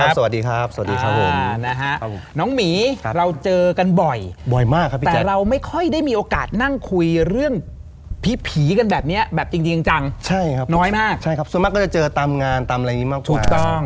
ส่วนมากก็จะเจอตามงานตามอะไรนี้มากกว่า